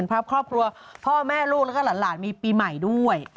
ครอบครัวพ่อแม่ลูกแล้วก็หลานมีปีใหม่ด้วย